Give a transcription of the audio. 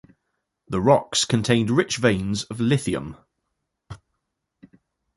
The rocks contained rich veins of lithium.